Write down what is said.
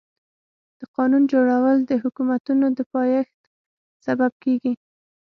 د قانون جوړول د حکومتونو د پايښت سبب کيږي.